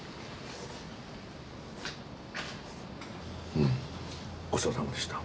うんごちそうさまでした。